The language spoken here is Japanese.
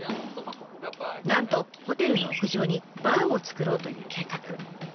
なんとホテルの屋上にバーを作ろうという計画。